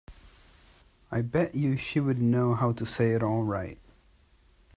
I bet you she'd know how to say it all right.